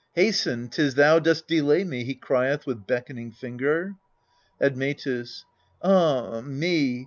Hasten 'tis thou dost delay me !" he crieth with beckon ing finger. Admetus. Ah me